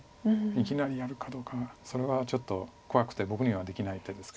いきなりやるかどうかがそれはちょっと怖くて僕にはできない手ですけど。